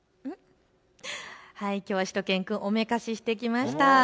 きょうはしゅと犬くんおめかししてきました。